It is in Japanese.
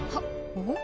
おっ！